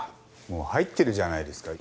もう入ってるじゃないですか。